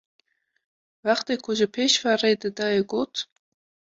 Wextê ku ji pêş ve rê didayê got: